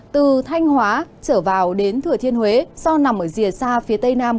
từ thanh hóa trở vào đến thừa thiên huế do nằm ở rìa xa phía tây nam